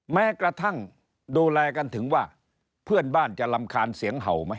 แม้กระทั่งดูแลกันถึงว่าเพื่อนบ้านจะรำคาญเสียงเห่าไหม